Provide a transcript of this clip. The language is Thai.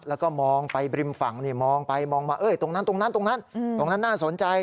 แล้วก็มองไปบริมฝั่งมองมาตรงนั้นน่าสนใจ